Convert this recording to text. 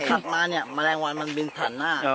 ถัดมาเนี่ยแมลงวันมันบินผ่านหน้า